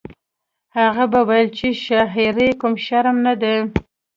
هغه به ویل زه چې شاعري کوم شرم نه دی